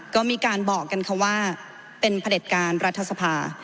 ก็มีการบอกกันค่ะว่าเป็นผลิตการรัฐสภา